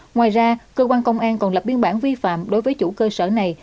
ngoài ra cơ quan công an còn lập biên bản vi phạm đối với chủ cơ sở này